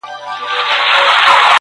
• موږکان د غار په خوله کي ګرځېدله,